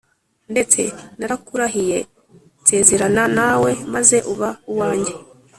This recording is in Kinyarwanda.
ndetse narakurahiye nsezerana nawe, maze uba uwanjye